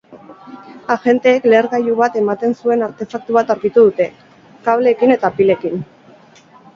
Agenteek lehergailu bat ematen zuen artefaktu bat aurkitu dute, kableekin eta pilekin.